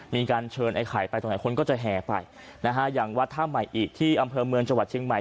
มีการเชิญไอ้ไข่ไปตรงไหนคนก็จะแห่ไปนะฮะอย่างวัดท่าใหม่อิที่อำเภอเมืองจังหวัดเชียงใหม่